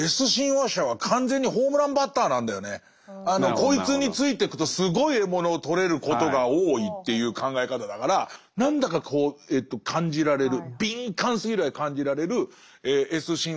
こいつについてくとすごい獲物を取れることが多いっていう考え方だから何だか感じられる敏感すぎるぐらい感じられるＳ親和者は絶対必要ですよね。